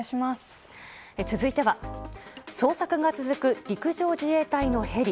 続いては、捜索が続く陸上自衛隊のヘリ。